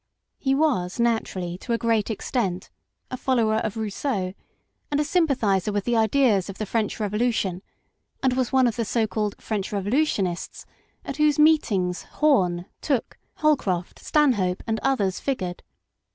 He was naturally, to a great extent, a follower of 18 MRS SHELLEY. Rousseau, and a sympathiser with the ideas of the French Revolution, and was one of the so called " French Revolutionists," at whose meetings Home Tooke, Holcroft, Stanhope, and others figured.